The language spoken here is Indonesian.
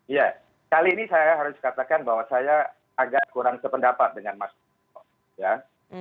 iya kali ini saya harus katakan bahwa saya agak kurang sependapat dengan mas